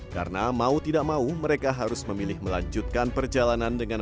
karena mau tidak mau mereka harus memilih melanjutkan perjalanan